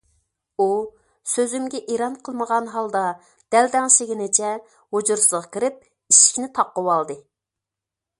ئۇ سۆزۈمگە ئېرەن قىلمىغان ھالدا، دەلدەڭشىگىنىچە ھۇجرىسىغا كىرىپ، ئىشىكىنى تاقىۋالدى.